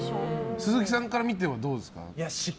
鈴木さんから見てどうですか？